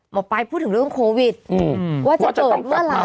หมอปลายพูดถึงเรื่องโควิดว่าจะเกิดเมื่อไหร่